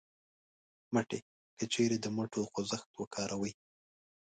مټې : که چېرې د مټو خوځښت وکاروئ